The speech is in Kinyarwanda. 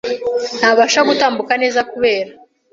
ntabasha gutambuka neza kubera